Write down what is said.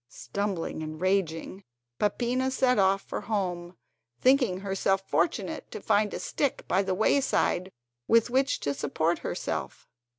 Stumbling and raging, Peppina set off for home, thinking herself fortunate to find a stick by the wayside with which to support herself.